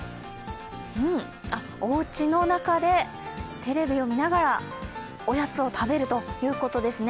うん、あ、おうちの中でテレビを見ながらおやつを食べるということですね。